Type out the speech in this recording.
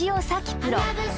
プロ